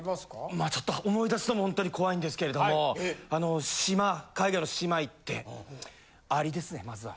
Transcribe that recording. まあちょっと思い出すのもほんとに怖いんですけれども島海外の島行ってアリですねまずは。